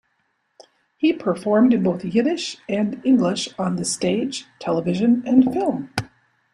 He performed in both Yiddish and English, on the stage, television, and film.